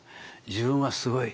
「自分はすごい！